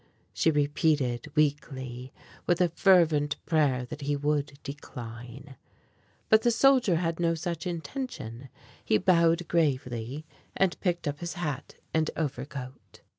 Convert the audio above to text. she repeated weakly, with a fervent prayer that he would decline. But the soldier had no such intention. He bowed gravely, and picked up his hat and overcoat.